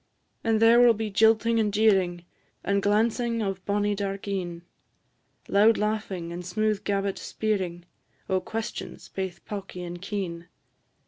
And there will be jilting and jeering, And glancing of bonnie dark een; Loud laughing and smooth gabbit speering O' questions, baith pawky and keen.